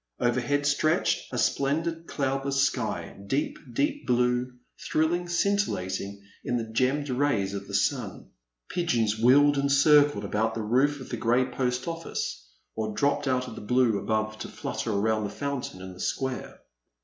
Overhead stretched a splendid cloudless sky, deep, deep blue, thrilling, scintil lating in the gemmed rays of the sun. Pigeons wheeled and circled about the roof of the grey Post OflSce or dropped out of the blue above to flutter around the fountain in the square.